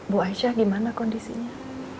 bu aisyah gimana kondisinya